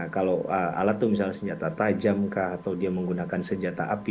kalau alat itu misalnya senjata tajam kah atau dia menggunakan senjata api